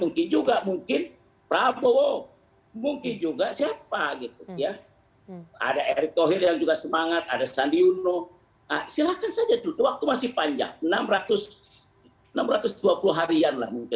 mungkin juga mungkin prabowo mungkin juga siapa gitu ya ada erick tohir yang juga semangat ada sandi uno silahkan saja dulu waktu masih panjang enam ratus enam ratus dua puluh harian lah mungkin